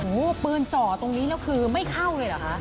โอ้โหปืนจ่อตรงนี้แล้วคือไม่เข้าเลยเหรอคะ